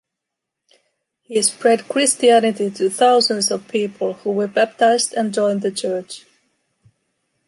He spread Christianity to thousands of people who were baptised and joined the Church.